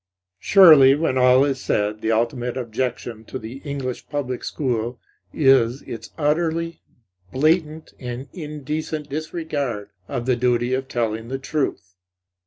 Surely, when all is said, the ultimate objection to the English public school is its utterly blatant and indecent disregard of the duty of telling the truth.